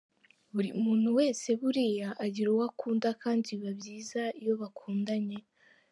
Buri muntu wese buriya agira uwo akunda kandi biba byiza iyo bakundanye.